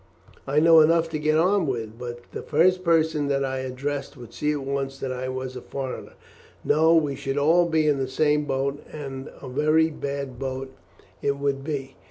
"I know enough to get on with, but the first person that I addressed would see at once that I was a foreigner. No; we should all be in the same boat, and a very bad boat it would be.